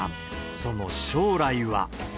その将来は。